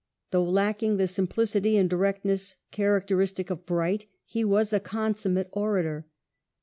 Though lacking the simplicity and direct ness characteristic of Bright, he was a consummate orator.